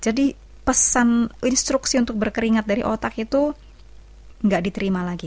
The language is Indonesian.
jadi pesan instruksi untuk berkeringat dari otak itu tidak diterima lagi